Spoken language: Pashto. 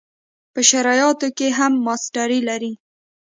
په شرعیاتو کې هم ماسټري لري.